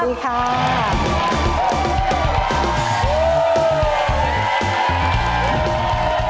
สวัสดีครับ